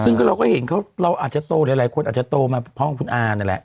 ซึ่งก็เราก็เห็นเขาเราอาจจะโตหลายคนอาจจะโตมาพ่อของคุณอานั่นแหละ